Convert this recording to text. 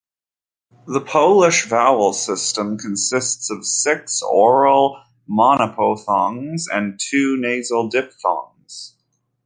The Polish vowel system consists of six oral monophthongs and two nasal diphthongs.